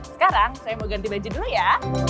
sekarang saya mau ganti baju dulu ya